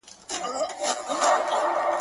پكښي مي وليدې ستا خړي سترگي,